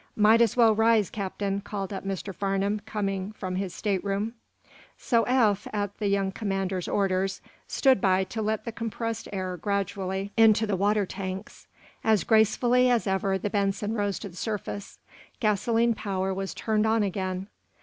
"Might as well rise, Captain," called up Mr. Farnum, coming from his stateroom. So Eph, at the young commander's orders, stood by to let the compressed air gradually into the water tanks. As gracefully as ever the "Benson" rose to the surface. Gasoline power was turned on again.